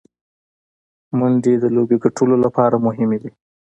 منډې د لوبي ګټلو له پاره مهمي دي.